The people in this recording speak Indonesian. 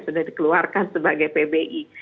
sudah dikeluarkan sebagai pbi